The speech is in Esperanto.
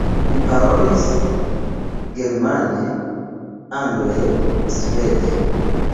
Li parolis germane, angle, svede.